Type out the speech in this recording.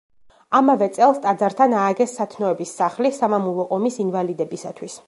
ამავე წელს ტაძართან ააგეს სათნოების სახლი სამამულო ომის ინვალიდებისათვის.